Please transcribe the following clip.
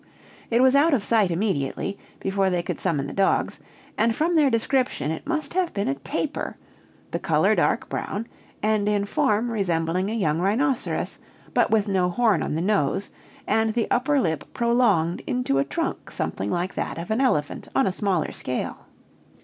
It was out of sight immediately, before they could summon the dogs, and from their description it must have been a tapir, the color dark brown, and in form resembling a young rhinoceros, but with no horn on the nose, and the upper lip prolonged into a trunk something like that of an elephant on a smaller scale.